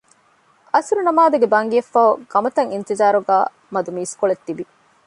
ޢަޞުރު ނަމާދުގެ ބަންގިއަށްފަހު ޤަމަތަށް އިންތިޒާރުގައި މަދު މީސްކޮޅެއް ތިވި